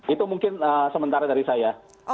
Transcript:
itu mungkin sementara dari saya